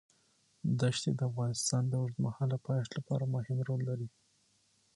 دښتې د افغانستان د اوږدمهاله پایښت لپاره مهم رول لري.